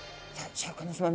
シャーク香音さま